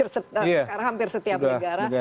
sekarang hampir setiap negara